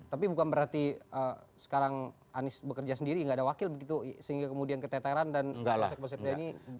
tapi bukan berarti sekarang anies bekerja sendiri gak ada wakil begitu sehingga kemudian keteteran dan konsep konsepnya ini